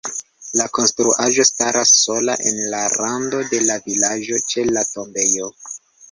La konstruaĵo staras sola en rando de la vilaĝo ĉe la tombejo.